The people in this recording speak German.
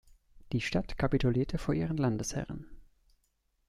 Die Stadt kapitulierte vor ihren Landesherren.